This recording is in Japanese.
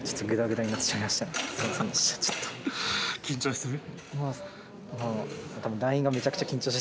緊張する？